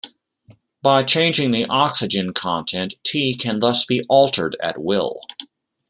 By changing the oxygen content T can thus be altered at will.